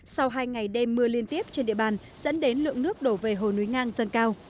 sau hai ngày đêm mưa liên tiếp trên địa bàn dẫn đến lượng nước đổ về hồ núi ngang dâng cao